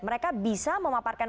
mereka bisa memaparkan